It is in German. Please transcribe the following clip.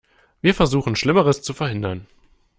Wir versuchen, Schlimmeres zu verhindern.